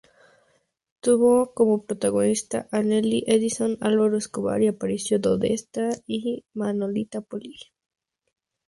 Tuvo como protagonistas a Nelly Edison, Álvaro Escobar, Aparicio Podestá y Manolita Poli.